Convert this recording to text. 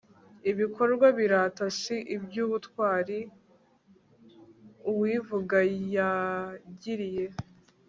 ibikorwa birata si iby'ubutwari uwivuga yagiriye